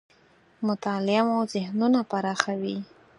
مطالعه مو ذهنونه پراخوي .